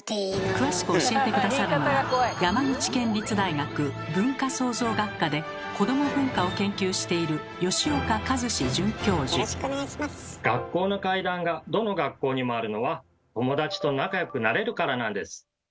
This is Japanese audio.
詳しく教えて下さるのは山口県立大学文化創造学科で「子ども文化」を研究している学校の怪談がどの学校にもあるのは友達と仲よくなれるからなんです。